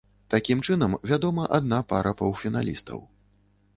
Такім чынам вядома адна пара паўфіналістаў.